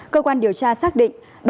cơ quan điều tra xác định